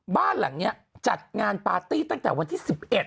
บ้านหลังนี้จัดงานปาร์ตี้ตั้งแต่วันที่๑๑